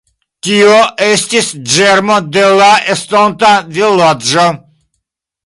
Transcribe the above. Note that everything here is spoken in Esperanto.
Tio estis ĝermo de la estonta vilaĝo.